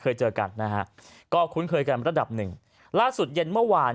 เจอกันนะฮะก็คุ้นเคยกันระดับหนึ่งล่าสุดเย็นเมื่อวาน